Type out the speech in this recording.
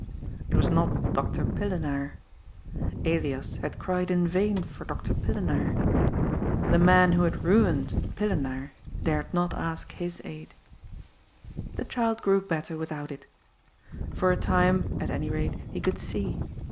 It was not Dr. Pillenaar. Elias had cried in vain for Dr. Pillenaar. The man who had ruined Pillenaar dared not ask his aid. The child grew better without it. For a time, at any rate, he could see.